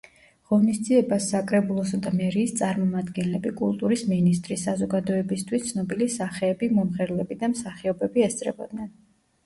ღონისძიებას საკრებულოსა და მერიის წარმომადგენლები, კულტურის მინისტრი, საზოგადოებისთვის ცნობილი სახეები მომღერლები და მსახიობები ესწრებოდნენ.